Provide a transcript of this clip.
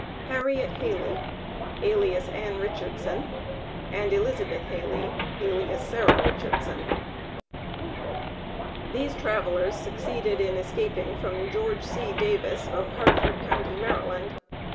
HARRIET HALEY, alias ANN RICHARDSON, AND ELIZABETH HALEY, alias SARAH RICHARDSON. These travelers succeeded in escaping from Geo. C. Davis, of Harford county, Md.